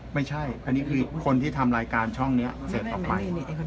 ไม่ใช่อันนี้คือคนที่ทำรายการช่องนี้เสร็จออกไป